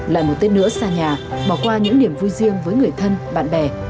lại một tết nữa xa nhà bỏ qua những niềm vui riêng với người thân bạn bè